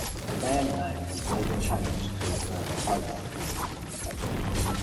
The band name was later changed to the Both.